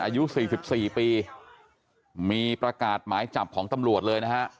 อายุ๔๔ปีมีประกาศหมายจับของตำรวจเลยนะฮะ